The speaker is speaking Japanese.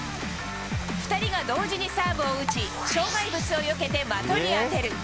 ２人が同時にサーブを打ち、障害物をよけて的に当てる。